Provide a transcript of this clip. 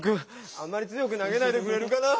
あんまり強くなげないでくれるかなぁ。